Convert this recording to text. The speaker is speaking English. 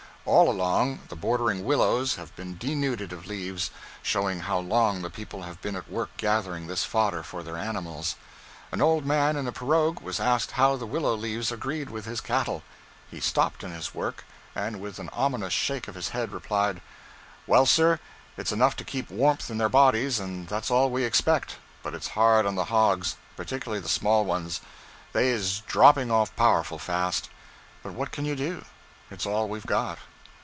All along, the bordering willows have been denuded of leaves, showing how long the people have been at work gathering this fodder for their animals. An old man in a pirogue was asked how the willow leaves agreed with his cattle. He stopped in his work, and with an ominous shake of his head replied: 'Well, sir, it 's enough to keep warmth in their bodies and that's all we expect, but it's hard on the hogs, particularly the small ones. They is dropping off powerful fast. But what can you do? It 's all we've got.'